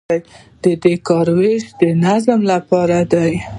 د کار ویش د نظم لپاره دی